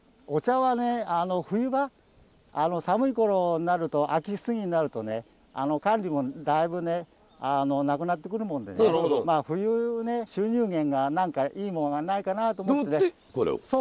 お茶はね冬場寒いころになると秋過ぎになるとね管理もだいぶねなくなってくるもんでね冬ね収入源が何かいいものがないかなと思って。と思ってこれを？